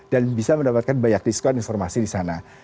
dan bisa mendapatkan banyak diskon informasi disana